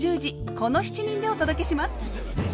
この７人でお届けします！